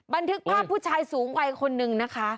บันทึกภาพผู้ชายสูงวัยคนนึงนะคะ